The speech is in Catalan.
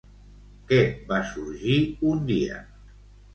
Què va sorgir un dia?